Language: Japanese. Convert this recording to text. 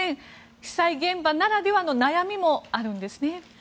被災現場ならではの悩みもあるんですね。